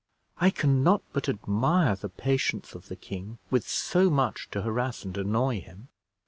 "I can not but admire the patience of the king, with so much to harass and annoy him."